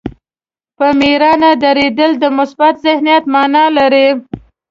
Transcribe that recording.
په مېړانه درېدل د مثبت ذهنیت معنا لري.